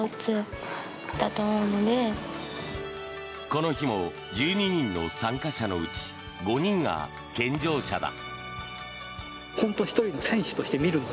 この日も１２人の参加者のうち５人が健常者だ。